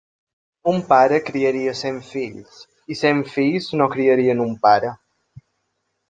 Un pare criaria cent fills, i cent fills no criarien un pare.